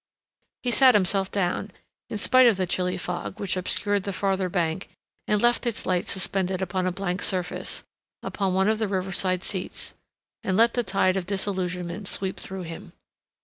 He sat himself down, in spite of the chilly fog which obscured the farther bank and left its lights suspended upon a blank surface, upon one of the riverside seats, and let the tide of disillusionment sweep through him.